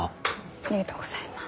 ありがとうございます。